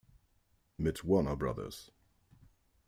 Mit Warner Bros.